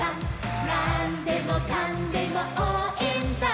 「なんでもかんでもおうえんだ！！」